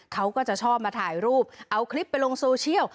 เขาก็จะชอบมาถ่ายรูปเอาคลิปไปลงโซเชียล